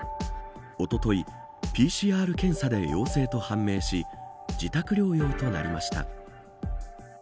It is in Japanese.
おとといＰＣＲ検査で陽性と判明し自宅療養となりました。